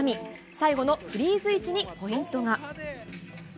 最後のフリーズ位置にポイントが。